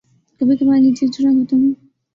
کبھی کبھار ہی چڑچڑا ہوتا ہوں